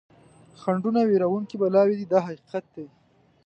خنډونه وېروونکي بلاوې دي دا حقیقت دی.